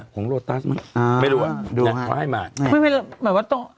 ของโรตัสมั้งอ่าไม่รู้อ่ะเดี๋ยวเขาให้มาไม่ไม่ไม่แบบว่าต้อง